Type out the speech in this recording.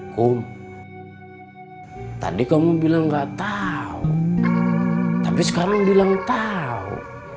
kum tadi kamu bilang gak tau tapi sekarang bilang tau